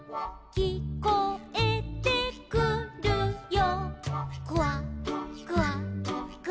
「きこえてくるよ」